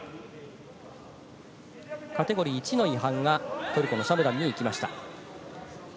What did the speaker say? カテゴリー１の違反がトルコのシャムダンに行きました。